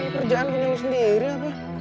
kerjaan gini lu sendiri apa